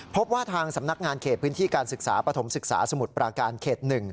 พบว่าทางสำนักงานเขตพื้นที่การศึกษาปฐมศึกษาสมุทรปราการเขต๑